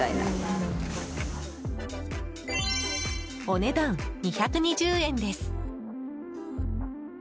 お値段、２２０円です。